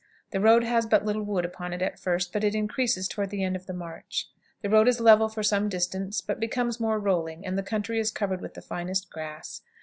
The road has but little wood upon it at first, but it increases toward the end of the march. The road is level for some distance, but becomes more rolling, and the country is covered with the finest grass.